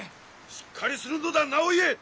しっかりするのだ直家！